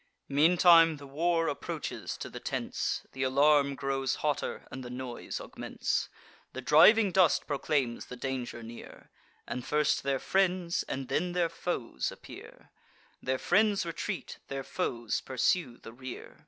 Meantime the war approaches to the tents; Th' alarm grows hotter, and the noise augments: The driving dust proclaims the danger near; And first their friends, and then their foes appear: Their friends retreat; their foes pursue the rear.